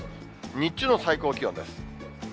日中の最高気温です。